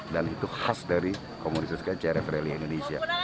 dan itu khas dari komunitas crf rally indonesia